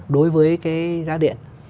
đối với cái giá điện